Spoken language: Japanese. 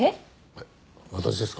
えっ私ですか？